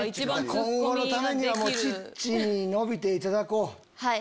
今後のためにチッチに伸びていただこう。